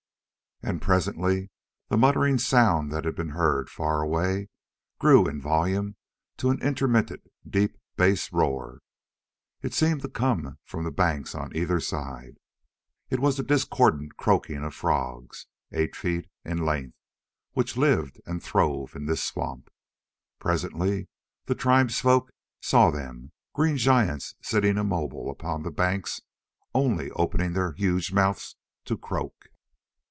And presently the muttering sound that had been heard far away grew in volume to an intermittent deep bass roar. It seemed to come from the banks on either side. It was the discordant croaking of frogs, eight feet in length, which lived and throve in this swamp. Presently the tribesfolk saw them: green giants sitting immobile upon the banks, only opening their huge mouths to croak.